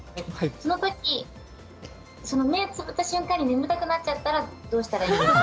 そのとき目をつぶった瞬間に眠たくなっちゃったらどうしたらいいですか？